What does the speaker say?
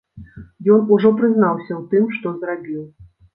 Ён ужо прызнаўся ў тым, што зрабіў.